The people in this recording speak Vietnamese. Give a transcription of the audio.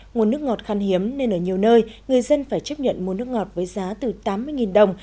nguồn nước ngọt khăn hiếm nên ở nhiều nơi người dân phải chấp nhận mua nước ngọt với giá từ tám mươi đồng